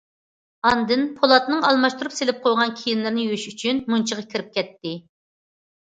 ئاندىن پولاتنىڭ ئالماشتۇرۇپ سېلىپ قويغان كىيىملىرىنى يۇيۇش ئۈچۈن مۇنچىغا كىرىپ كەتتى.